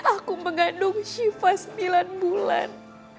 aku mengandung shiva sembilan bulan